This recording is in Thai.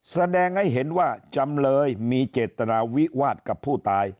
แสดงให้เห็นว่าจำเลยมีเจตนาวิวาสกับผู้ตาย